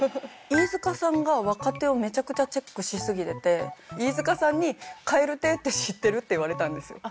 飯塚さんが若手をめちゃくちゃチェックしすぎてて飯塚さんに「蛙亭って知ってる？」って言われたんですよ。